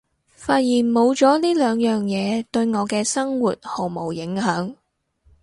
發現冇咗呢兩樣嘢對我嘅生活毫無影響